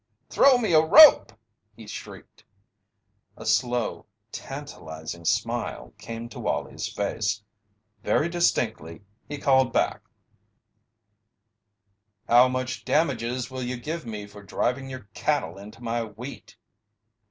"Throw me a rope!" he shrieked. A slow, tantalizing smile came to Wallie's face. Very distinctly he called back: "How much damages will you give me for driving your cattle into my wheat?"